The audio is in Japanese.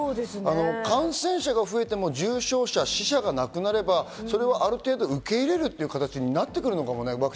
感染者が増えても重症者、死者がなくなれば、それはある程度、受け入れるという形になってくるかもね。